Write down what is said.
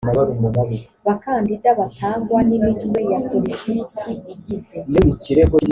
bakandida batangwa n imitwe ya politiki igize